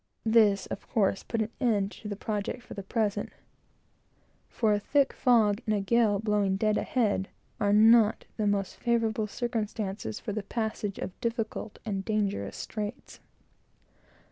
This, of course, put an end to the project, for the present; for a thick fog and a gale blowing dead ahead are not the most favorable circumstances for the passage of difficult and dangerous straits.